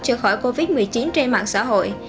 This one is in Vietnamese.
chữa khỏi covid một mươi chín trên mạng xã hội